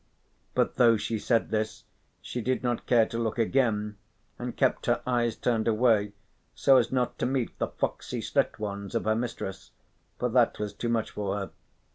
But though she said this she did not care to look again, and kept her eyes turned away so as not to meet the foxy slit ones of her mistress, for that was too much for her.